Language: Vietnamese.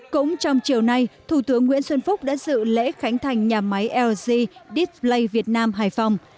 cũng trong chiều nay thủ tướng nguyễn xuân phúc đã dự lễ khánh thành nhà máy lg diatplay việt nam hải phòng